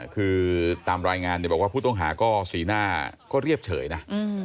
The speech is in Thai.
คือตามรายงานพูดต้องหาก็ฉีน่าก็เรียบเฉยนะ